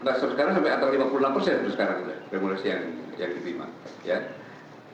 nggak sekarang sampai atas lima puluh enam persen sekarang remunerasi yang dikirimkan